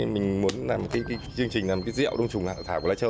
mình muốn làm cái chương trình làm cái rượu đông trùng hạ thảo của lai châu